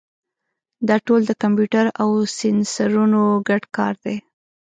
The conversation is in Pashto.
دا ټول د کمپیوټر او سینسرونو ګډ کار دی.